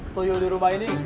tuyul di rumah ini